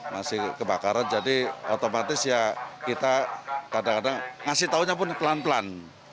masih kebakaran jadi otomatis ya kita kadang kadang ngasih taunya pun pelan pelan